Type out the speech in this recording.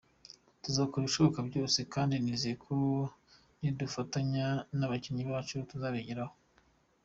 Tuzakora ibishoboka byose kandi nizeye ko nidufatanya n’abakinnyi bacu tuzabigeraho.